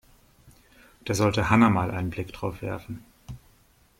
Da sollte Hanna mal einen Blick drauf werfen.